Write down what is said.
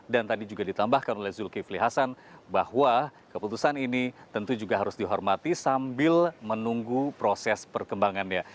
dan tadi juga ditambahkan oleh zulkifli hasan bahwa keputusan ini tentu juga harus dihormati sambil menunggu proses perkembangannya